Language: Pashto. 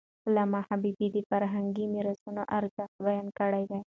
علامه حبيبي د فرهنګي میراثونو ارزښت بیان کړی دی.